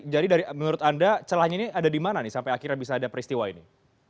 jadi dari menurut anda celahnya ini ada dimana nih sampai akhirnya bisa ada peristiwa ini